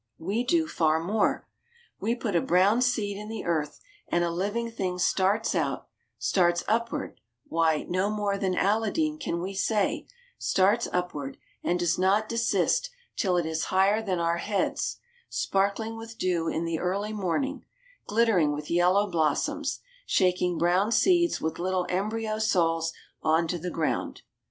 We do far more. We put a brown seed in the earth, and a living thing starts out, starts upward why, no more than Alladeen can we say starts upward, and does not desist till it is higher than our heads, sparkling with dew in the early morning, glittering with yellow blossoms, shaking brown seeds with little embryo souls on to the ground.